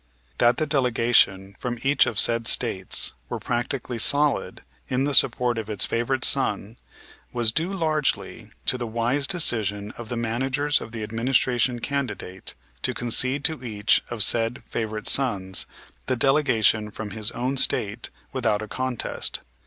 That the delegation from each of said States were practically solid in the support of its "favorite son" was due largely to the wise decision of the managers of the administration candidate to concede to each of said "favorite sons" the delegation from his own State without a contest.